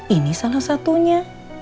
ini salah satunya